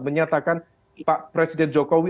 menyatakan pak presiden jokowi